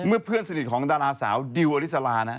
เพื่อนสนิทของดาราสาวดิวอลิสลานะฮะ